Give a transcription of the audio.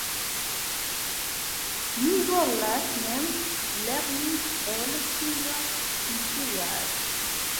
Mi volas mem lerni kiel ĉio funkcias.